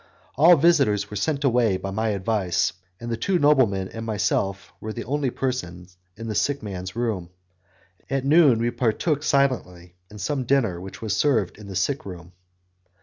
All visitors were sent away by my advice, and the two noblemen and myself were the only persons in the sick man's room. At noon we partook silently of some dinner which was served in the sick room.